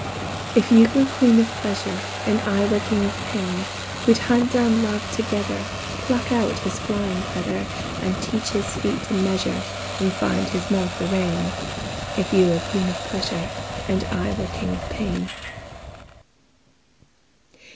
If you were queen of pleasure, And I were king of pain, We'd hunt down love together, Pluck out his flying feather, And teach his feet a measure, And find his mouth a rein; If you were queen of pleasure. And I were king of pain.